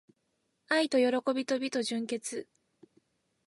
愛と喜びと美と純潔